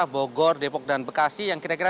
bogor depok dan bekasi yang kira kira